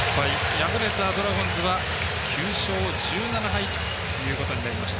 敗れたドラゴンズは９勝１７敗となりました。